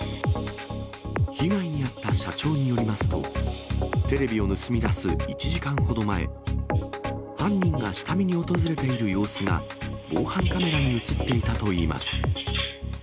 被害に遭った社長によりますと、テレビを盗み出す１時間ほど前、犯人が下見に訪れている様子が、防犯カメラに映っていたといいます。